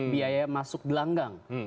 biaya masuk gelanggang